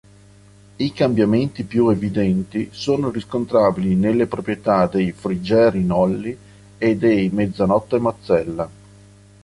I cambiamenti più evidenti sono riscontrabili nelle proprietà dei Frigeri-Nolli e dei Mezzanotte-Mazzella.